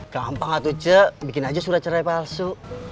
gampang gak tuh cek bikin aja surat cerai palsu